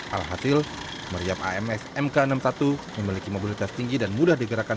alhasil meriam ams mk enam puluh satu memiliki mobilitas tinggi dan mudah digerakkan